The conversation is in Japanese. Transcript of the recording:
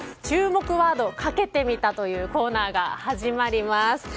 注目ワードかけてみたというコーナーが始まります。